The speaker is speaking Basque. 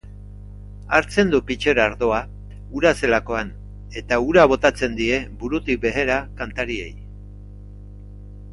Hartzen du pitxer ardoa, ura zelakoan, eta botatzen die burutik behera kantariei.